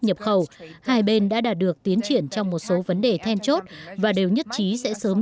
nhập khẩu hai bên đã đạt được tiến triển trong một số vấn đề then chốt và đều nhất trí sẽ sớm